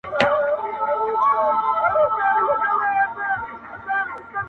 گلي پر ملا باندي راماته نسې.